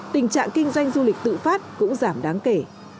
tình trạng kinh doanh du lịch tự phát cũng giảm đáng kể